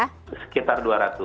sekitar rp dua ratus